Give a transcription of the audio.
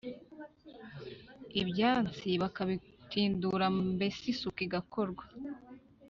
ibyansi bakabitindura mbese isuku igakorwa